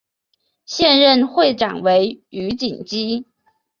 现任会长为余锦基。